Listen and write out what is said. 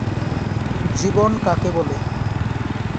জীবন কাকে বলে?